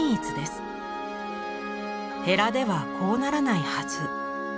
ヘラではこうならないはず。